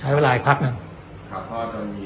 หรือการทำร่วมกับวิธี